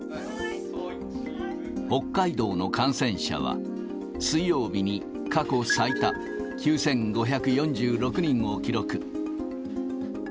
北海道の感染者は水曜日に過去最多、９５４６人を記録。